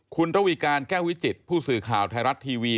คุณระวีการแก้ววิจิตผู้สื่อข่าวไทยรัฐทีวี